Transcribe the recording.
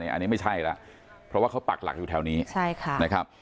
อันนี้ไม่ใช่แล้วเพราะว่าเขาปักหลักอยู่แถวนี้ใช่ค่ะนะครับ